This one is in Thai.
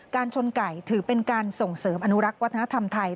ชนไก่ถือเป็นการส่งเสริมอนุรักษ์วัฒนธรรมไทย